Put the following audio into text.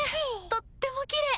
とってもきれい。